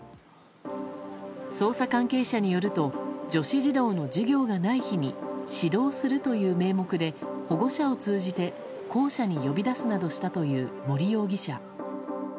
捜査関係者によると女子児童の授業がない日に指導するという名目で保護者を通じて校舎に呼び出すなどしたという森容疑者。